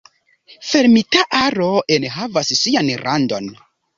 Fermita aro enhavas sian randon.